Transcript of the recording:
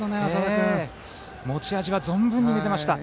持ち味は存分に見せました。